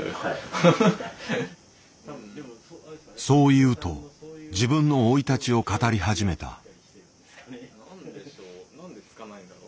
そう言うと自分の生い立ちを語り始めた。